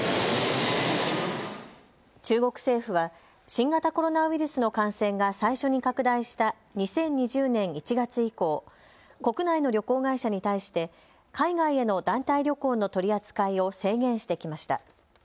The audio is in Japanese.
中国政府は新型コロナウイルスの感染が最初に拡大した２０２０年１月以降、国内の旅行会社に対して海外への団体旅行の取り扱いを制限してきました。